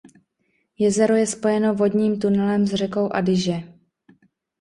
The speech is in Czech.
Jezero je spojeno vodním tunelem s řekou Adiže.